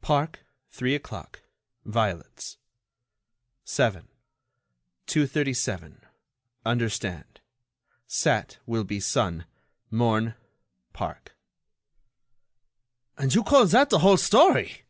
Park three o'clock. Violets. 7. 237. Understand. Sat. Will be Sun. morn. park. "And you call that the whole story!"